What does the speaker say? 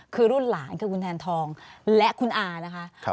คือรุ่นหลานคือคุณแทนทองและคุณอานะคะ